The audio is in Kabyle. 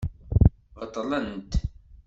Beṭlent.